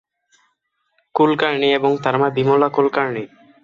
কুলকার্নি এবং তার মা বিমলা কুলকার্নি।